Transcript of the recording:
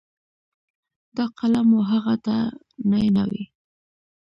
دا قلم و هغه ته نی نه وي.